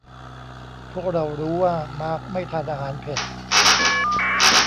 พวกเรารู้ว่ามาร์คไม่ทานอาหารเผ็ด